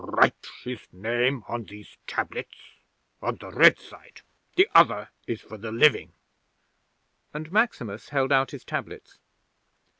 Write his name on these tablets on the red side; the other is for the living!" and Maximus held out his tablets.